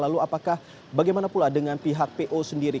lalu apakah bagaimana pula dengan pihak po sendiri